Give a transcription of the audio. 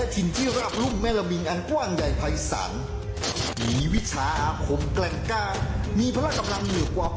ที่นี่เป็นอะไรกันอีกอันนี้ครับ